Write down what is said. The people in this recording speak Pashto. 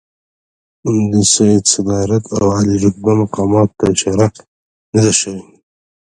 د سید صدارت او عالي رتبه مقاماتو ته اشاره نه ده شوې.